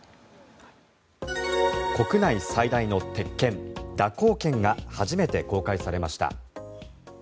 国内最大の鉄剣、蛇行剣が初めて公開されました。